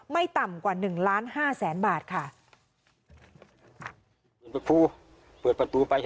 ไม่ต่ำกว่า๑ล้าน๕แสนบาทค่ะ